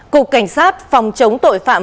cục cảnh sát phòng chống tội phạm